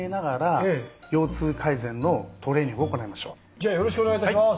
じゃあよろしくお願いいたします！